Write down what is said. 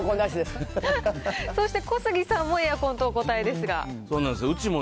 そして小杉さんもエアコンとお答えですが。